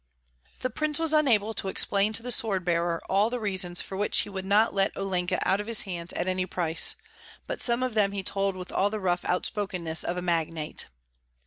The prince was unable to explain to the sword bearer all the reasons for which he would not let Olenka out of his hands at any price; but some of them he told with all the rough outspokenness of a magnate.